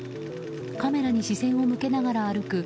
カメラに視線を向けながら歩く